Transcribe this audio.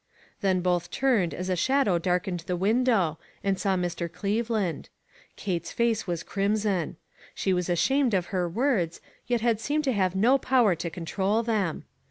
Then both turned as a shadow darkened the window, and saw Mr. Cleveland. Kate's face was crimson. She was ashamed of her words, yet had seemed to have no power to control them.